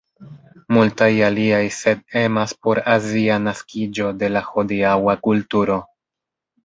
Multaj aliaj sed emas por azia naskiĝo de la hodiaŭa kulturo.